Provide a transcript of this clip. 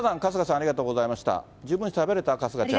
ありがとうございました。え？